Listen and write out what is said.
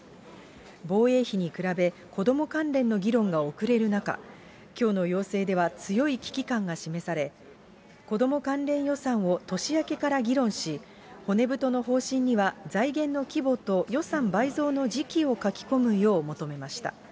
防衛費に比べ、子ども関連の議論が遅れる中、きょうの要請では、強い危機感が示され、子ども関連予算を年明けから議論し、骨太の方針には財源の規模と予算倍増の時期を書き込むよう求めました。